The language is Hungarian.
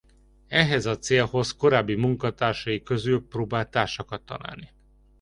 Ehhez a célhoz korábbi munkatársai közül próbál társakat találni.